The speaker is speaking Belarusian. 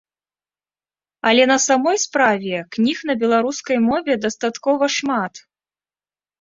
Але на самой справе, кніг на беларускай мове дастаткова шмат.